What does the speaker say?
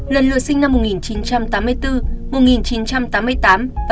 lần lượt sinh năm một nghìn chín trăm tám mươi bốn một nghìn chín trăm tám mươi tám và một nghìn chín trăm chín mươi